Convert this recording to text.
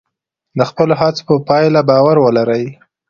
د خپلو هڅو په پایله باور ولرئ.